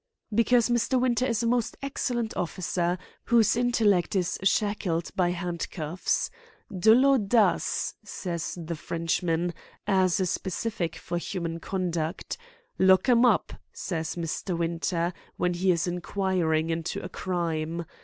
"Because Mr. Winter is a most excellent officer, whose intellect is shackled by handcuffs. 'De l'audace!' says the Frenchman, as a specific for human conduct. 'Lock 'em up,' says Mr. Winter, when he is inquiring into a crime.